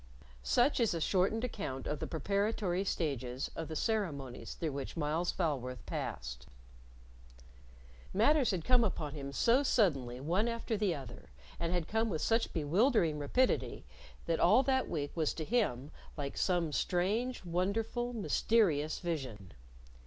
Such is a shortened account of the preparatory stages of the ceremonies through which Myles Falworth passed. Matters had come upon him so suddenly one after the other, and had come with such bewildering rapidity that all that week was to him like some strange, wonderful, mysterious vision.